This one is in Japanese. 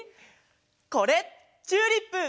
これチューリップ！